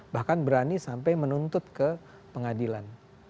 bahkan berani sampai menuntut ke pengadilan